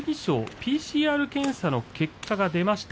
ＰＣＲ検査の結果が出ました。